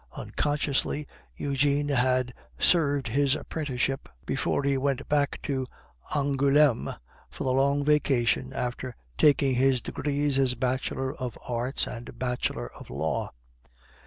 Unconsciously, Eugene had served his apprenticeship before he went back to Angouleme for the long vacation after taking his degrees as bachelor of arts and bachelor of law.